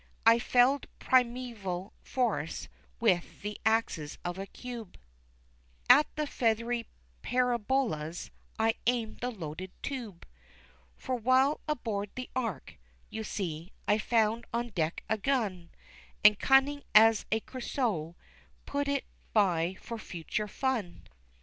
I felled primeval forests with the axes of a cube, At the feathery Parabolas I aimed the loaded tube; (For while aboard the Arc, you see, I found on deck a gun, And, cunning as a Crusoe, put it by for future fun.)